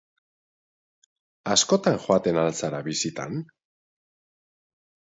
Askotan joaten al zara bisitan?